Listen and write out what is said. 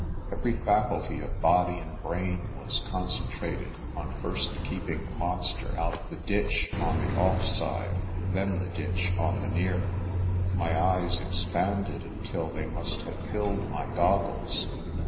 Every faculty of body and brain was concen trated on first keeping the monster out of the ditch on the off side, then the ditch on the near. My eyes expanded until they must have filled my gog gles.